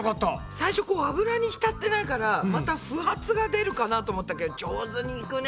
最初油にひたってないからまた不発が出るかなと思ったけど上手にいくね。ね。